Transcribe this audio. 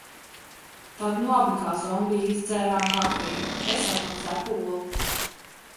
Tad nu abi kā zombiji izdzērām kafiju. Es atkal cepu olas.